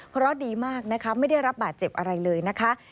เพราะดีมากนะคะไม่ได้รับบาดเจ็บอะไรเลยนะคะ